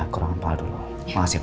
kurangkan pahala dulu makasih vel